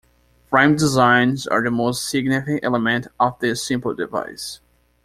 Frame designs are the most significant element of this simple device.